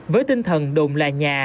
với tinh thần đồn là nhà